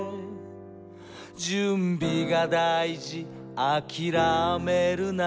「準備がだいじあきらめるな」